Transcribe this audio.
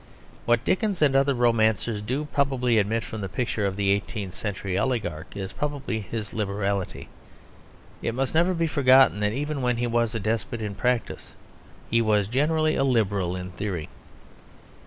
What Dickens and other romancers do probably omit from the picture of the eighteenth century oligarch is probably his liberality. It must never be forgotten that even when he was a despot in practice he was generally a liberal in theory.